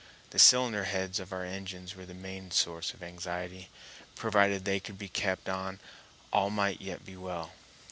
The cylinder heads of our engines were the main source of anxiety; provided they could be kept on all might yet be well.